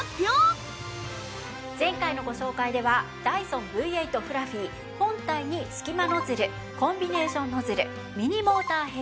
前回のご紹介ではダイソンＶ８フラフィ本体に隙間ノズルコンビネーションノズルミニモーターヘッド